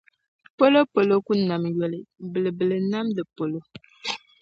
Palo palo ku nam yoli, bilibili ni nam palo.